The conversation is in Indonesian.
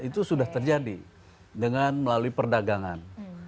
itu sudah terjadi dengan melalui perdagangan